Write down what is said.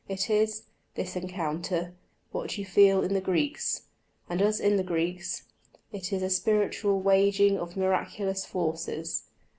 It is, this encounter, what you feel in the Greeks, and as in the Greeks, it is a spiritual waging of miraculous forces.